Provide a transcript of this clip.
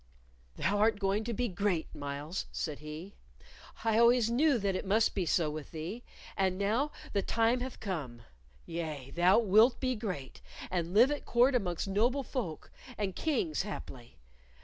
"Thou art going to be great, Myles," said he. "I always knew that it must be so with thee, and now the time hath come. Yea, thou wilt be great, and live at court amongst noble folk, and Kings haply.